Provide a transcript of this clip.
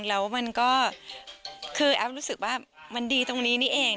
แล้วมันก็คือแอฟรู้สึกว่ามันดีตรงนี้นี่เอง